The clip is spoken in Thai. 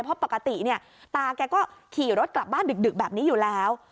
เพราะปกติเนี่ยตาแกก็ขี่รถกลับบ้านดึกแบบนี้อยู่แล้ว